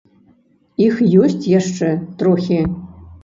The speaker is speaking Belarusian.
Іх ёсць яшчэ, трохі.